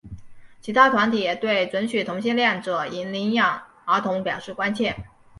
其他团体对准许同性恋者领养儿童表示关切。